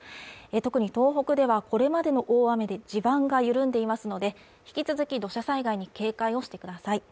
特に東北ではこれまでの大雨で地盤が緩んでいますので、引き続き土砂災害に警戒をしてください。